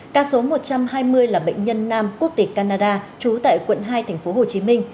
ca số một trăm hai mươi là bệnh nhân nam quốc tịch canada trú tại quận hai tp hcm